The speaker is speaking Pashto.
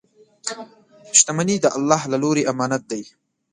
• شتمني د الله له لورې امانت دی.